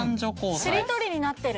しりとりになってる。